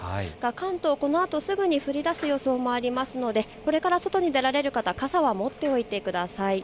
関東、このあとすぐに降りだす予想もありましてこれから外に出られる方は傘は持っておいてください。